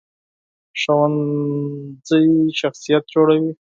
ښوونځی شخصیت جوړوي